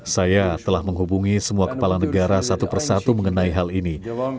saya telah menghubungi semua kepala negara satu persatu mengenai hal ini